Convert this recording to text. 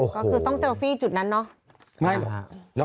ก็คือต้องเซลฟี่จุดนั้นเนาะ